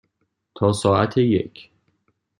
تا ساعت یک.